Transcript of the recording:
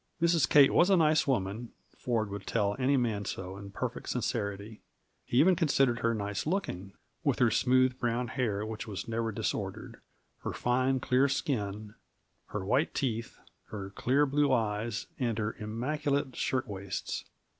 Mrs. Kate was a nice woman; Ford would tell any man so in perfect sincerity. He even considered her nice looking, with her smooth, brown hair which was never disordered, her fine, clear skin, her white teeth, her clear blue eyes, and her immaculate shirt waists.